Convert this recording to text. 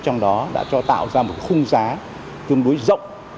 trong đó đã cho tạo ra một khung giá